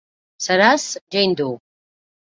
Seràs Jane Doe.